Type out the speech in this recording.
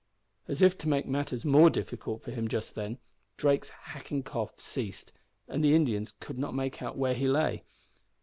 As if to make matters more difficult for him just then, Drake's hacking cough ceased, and the Indian could not make out where he lay.